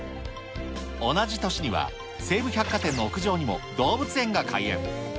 同じ年には、西武百貨店の屋上にも動物園が開園。